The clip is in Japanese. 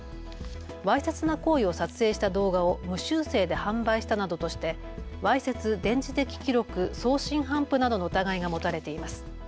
わいせつな行為を撮影した動画を無修正で販売したなどとしてわいせつ電磁的記録送信頒布などの疑いが持たれています。